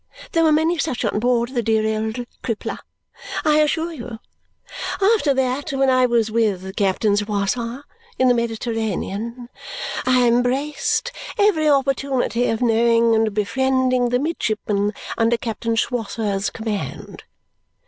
There were many such on board the dear old Crippler, I assure you. After that, when I was with Captain Swosser in the Mediterranean, I embraced every opportunity of knowing and befriending the midshipmen under Captain Swosser's command.